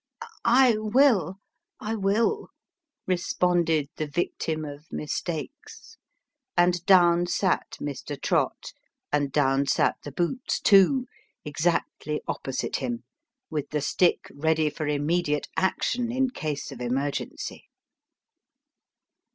" I will I will," responded the victim of mistakes ; and down sat Mr. Trott and down sat the boots too, exactly opposite him, with the stick ready for immediate action in case of emergency.